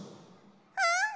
うん！